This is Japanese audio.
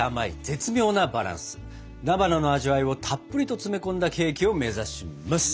菜花の味わいをたっぷりと詰め込んだケーキを目指します。